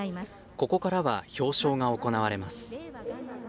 ここからは表彰が行われます。